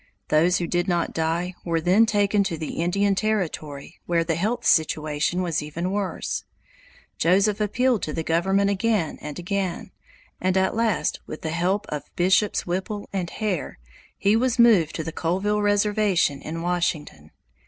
Those who did not die were then taken to the Indian Territory, where the health situation was even worse. Joseph appealed to the government again and again, and at last by the help of Bishops Whipple and Hare he was moved to the Colville reservation in Washington.